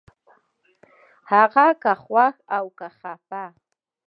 هغه که خوښ و که خپه